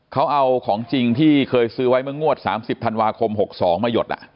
เขาเอาของจริงที่เคยซื้อไว้เมื่องวด๓๐ธันวาคม๖๒มาหยด